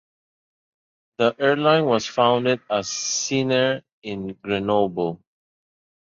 The airline was founded as Sinair in Grenoble.